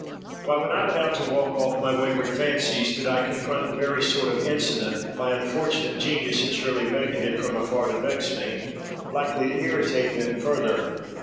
"Why, when I went out to walk off my wayward fancies, did I confront the very sort of incident (my unfortunate genius had surely beckoned it from afar to vex me) likely to irritate them further?